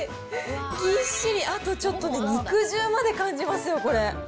ぎっしり、あとちょっとで肉汁まで感じますよ、これ。